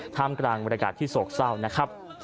ท่ามกลางบรรยากาศที่โศกเศร้านะครับ